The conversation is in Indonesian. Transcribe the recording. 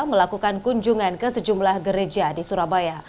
melakukan kunjungan ke sejumlah gereja di surabaya